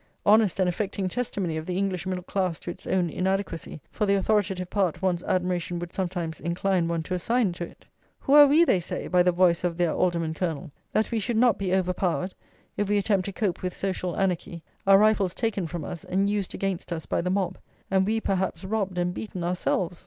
Honest and affecting testimony of the English middle class to its own inadequacy for the authoritative part one's admiration would sometimes incline one to assign to it! "Who are we," they say by the voice of their Alderman Colonel, "that we should not be overpowered if we attempt to cope with social anarchy, our rifles taken from us and used against us by the mob, and we, perhaps, robbed and beaten ourselves?